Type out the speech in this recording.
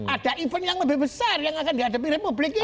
ada event yang lebih besar yang akan dihadapi republik ini